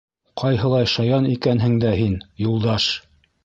— Ҡайһылай шаян икәнһең дә һин, Юлдаш!